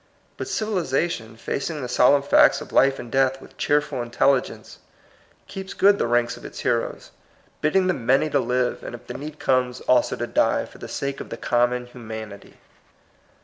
But civ ilization, facing the solemn facts of life and death with cheerful intelligence, keeps good the ranks of its heroes, bidding the many to live, and if the need comes, also THE I RON IN THE BLOOD. 43 to die, for the sake of the common hu manity.